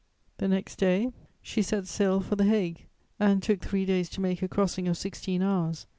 The next day, she set sail for the Hague and took three days to make a crossing of sixteen hours.